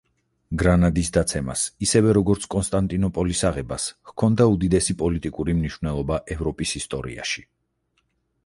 გრანადის დაცემას ისევე, როგორც კონსტანტინოპოლის აღებას ჰქონდა უდიდესი პოლიტიკური მნიშვნელობა ევროპის ისტორიაში.